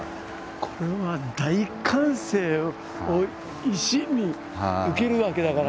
これは大歓声を一身に受けるわけだから。